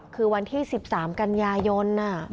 คือวันที่๑๓กันยายน